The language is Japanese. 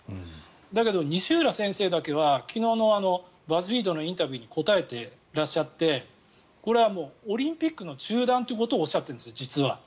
だけど西浦先生だけは昨日のバズフィードのインタビューに答えていらっしゃってこれはもうオリンピックの中断ということをおっしゃっているんです、実は。